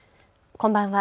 こんばんは。